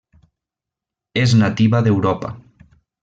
És nativa d'Europa.